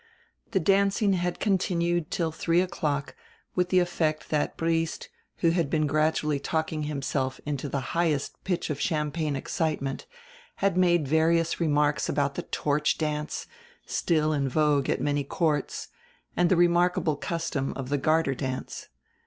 The dancing had con tinued till three o'clock, with the effect that Briest, who had been gradually talking himself into the highest pitch of champagne excitement, had made various remarks about the torch dance, still in vogue at many courts, and the remarkable custom of the garter dance.